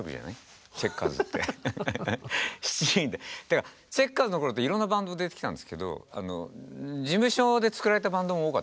だからチェッカーズの頃っていろんなバンド出てきたんですけど事務所で作られたバンドも多かったんですよ